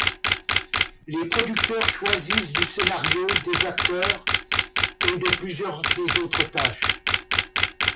Les producteurs choisissent du scénario, des acteurs, et de plusieurs des autres tâches.